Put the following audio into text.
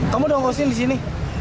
kamu dong kursin disini